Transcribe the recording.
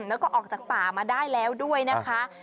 แล้วก็ออกจากป่ามาได้แล้วด้วยนะคะ